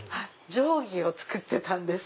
定規を作ってたんです。